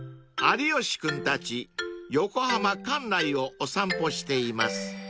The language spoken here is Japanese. ［有吉君たち横浜関内をお散歩しています］